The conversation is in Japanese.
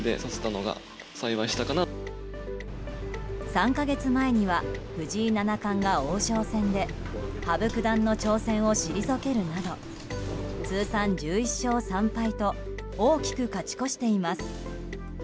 ３か月前には藤井七冠が王将戦で羽生九段の挑戦を退けるなど通算１１勝３敗と大きく勝ち越しています。